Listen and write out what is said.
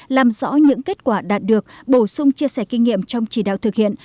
làm rõ những kết quả đạt được bổ sung chia sẻ kinh nghiệm trong chỉ đạo thực hiện